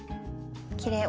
きれい。